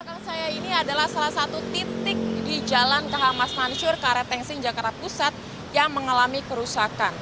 perkara saya ini adalah salah satu titik di jalan ke hamas mansur karetengsing jakarta pusat yang mengalami kerusakan